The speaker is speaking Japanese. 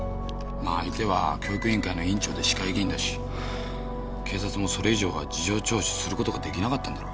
相手は教育委員会の委員長で市会議員だし警察もそれ以上は事情聴取ができなかったんだろう。